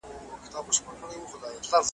د ژوند تڼاکي سولوم په سرابي مزلونو .